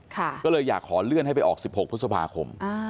ค่ะก็เลยอยากขอเลื่อนให้ไปออกสิบหกพฤษภาคมอ่า